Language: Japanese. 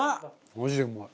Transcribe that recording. マジでうまい。